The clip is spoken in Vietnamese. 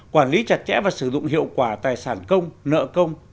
quản lý chặt chẽ và sử dụng hiệu quả tài sản công nợ công